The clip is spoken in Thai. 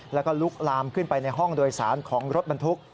แล้วก็ลุกลามขึ้นไปในห้องโดยสารของรถบรรทุก